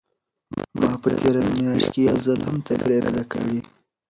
ما په تېره میاشت کې یو ځل هم تفریح نه ده کړې.